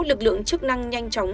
lực lượng chức năng nhanh chóng